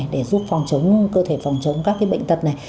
để giúp cơ thể phòng chống các bệnh tật này